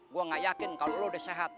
gue nggak yakin kalo lo udah sehat